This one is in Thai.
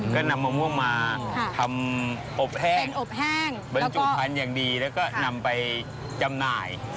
ก็นำมะม่วงมาทำอบแห้งบริจุภัณฑ์อย่างดีแล้วก็นำไปจำหน่ายแล้วก็